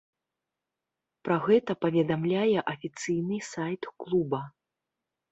Пра гэта паведамляе афіцыйны сайт клуба.